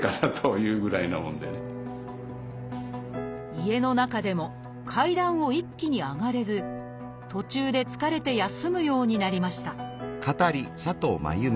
家の中でも階段を一気に上がれず途中で疲れて休むようになりました